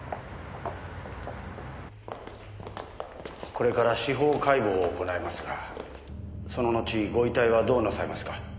これから司法解剖を行いますがその後ご遺体はどうなさいますか？